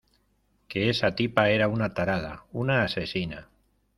que esa tipa era una tarada, una asesina.